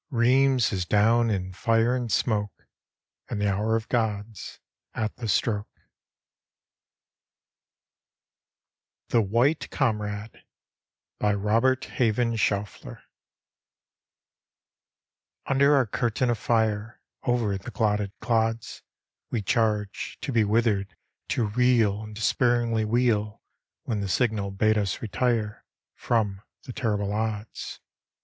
Rheims is down in Are and smoke And the hour of God's at the strok& THE WHITE COMRADE: Robert haven SCHAUFFLBR Under our curtain of fire, Over the clotted clods, Wc charged, to be withered, to red And despairingly wheel When the signal bade us retire From the terrible odds.